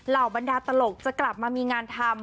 บรรดาตลกจะกลับมามีงานทำ